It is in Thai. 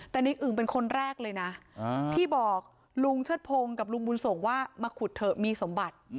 แต่ในอึ่งเป็นคนแรกเลยนะที่บอกลุงเชิดพงศ์กับลุงบุญส่งว่ามาขุดเถอะมีสมบัติ